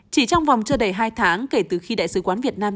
chỉ trong vòng chưa đầy hai tháng kể từ khi đại sứ quán việt nam